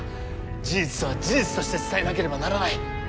事実は事実として伝えなければならない。